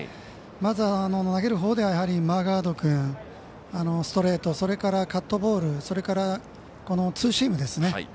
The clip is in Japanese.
まずは、投げるほうではマーガード君、ストレートそれからカットボールとツーシームですね。